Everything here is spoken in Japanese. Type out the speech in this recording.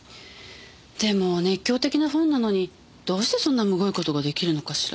でも熱狂的なファンなのにどうしてそんなむごい事が出来るのかしら？